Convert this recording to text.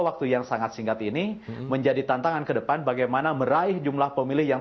waktu yang sangat singkat ini menjadi tantangan kedepan bagaimana meraih jumlah pemilih yang